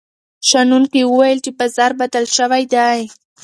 شنونکي وویل چې بازار بدل شوی دی.